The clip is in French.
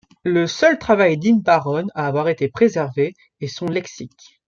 Le seul travail d'Ibn Parhon à avoir été préservé, est son lexique.